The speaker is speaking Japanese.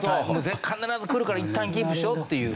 必ず来るからいったんキープしようっていう。